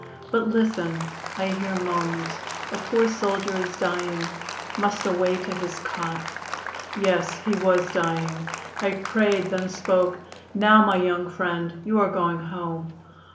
But listen! I hear moans. A poor soldier is dying; must away to his cot. Yes, he was dying. I prayed, then spoke: 'Now, my young friend, you are going home.